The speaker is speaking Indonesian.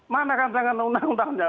mana rancangan undang undangnya